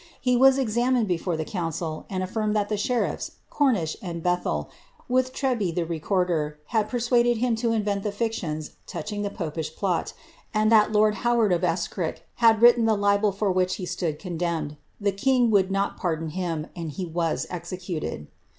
He was examined before the council, and aflirnied that the sheriffs, Cornish and Bethel, with Treby, the recorder, had persuaded him to invent the fictions touching the popish plot, and that lord Howard of Escrirk had written the libel for which he stood condemned. The king would not pardon Iiim, and he was executed.